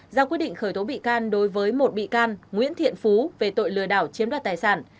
ra quyết định khởi tố bị can đối với một bị can nguyễn thiện phú về tội lừa đảo chiếm đoạt tài sản